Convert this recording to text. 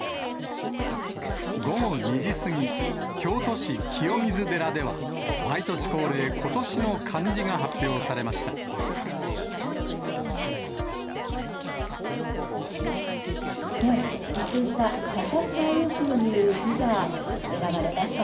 午後２時過ぎ、京都市、清水寺では、毎年恒例、今年の漢字が発表されました。